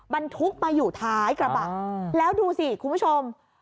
บรรทุกมาอยู่ท้ายกระบะแล้วดูสิคุณผู้ชม